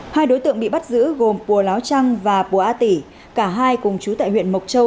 hai đối tượng bị bắt giữ gồm pua láo trăng và pua á tỉ cả hai cùng chú tại huyện mộc châu